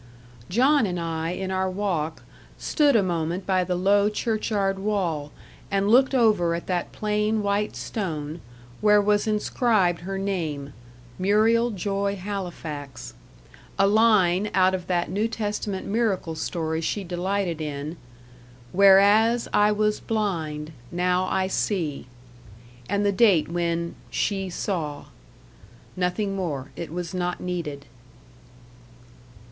John and I, in our walk, stood a moment by the low churchyard wall, and looked over at that plain white stone, where was inscribed her name, "Muriel Joy Halifax," a line out of that New Testament miracle story she delighted in, "WHEREAS I WAS BLIND, NOW I SEE," and the date when SHE SAW. Nothing more: it was not needed.